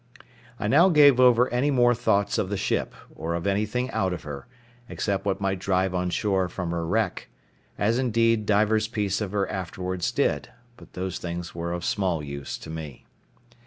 I now gave over any more thoughts of the ship, or of anything out of her, except what might drive on shore from her wreck; as, indeed, divers pieces of her afterwards did; but those things were of small use to me.